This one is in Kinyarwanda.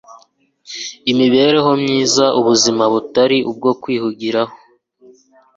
Imibereho ye myiza, ubuzima butari ubwo kwihugiraho,